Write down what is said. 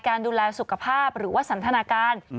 การดูแลสุขภาพหรือว่าสันทนาการ